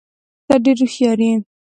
ته ډېر هوښیار یې.